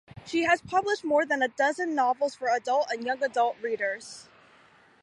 She has published more than a dozen novels for adult and young adult readers.